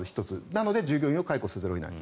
なので従業員を解雇せざるを得ない。